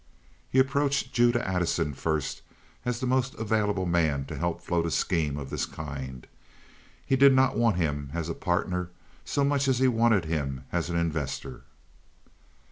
He approached Judah Addison first as the most available man to help float a scheme of this kind. He did not want him as a partner so much as he wanted him as an investor.